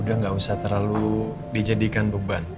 udah gak usah terlalu dijadikan beban